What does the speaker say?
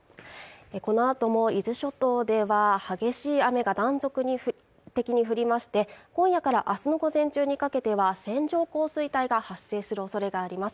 このあとも伊豆諸島では激しい雨が断続に降ってきておりまして今夜から明日の午前中にかけては線状降水帯が発生するおそれがあります